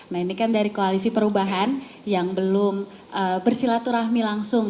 nah ini kan dari koalisi perubahan yang belum bersilaturahmi langsung